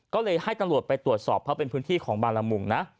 ก็เลยให้ตำรวจไปตรวจสอบเพราะเป็นพื้นที่ของบารมุงนะ